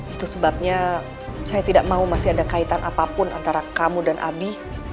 itu sebabnya saya tidak mau masih ada kaitan apapun antara kamu dan abi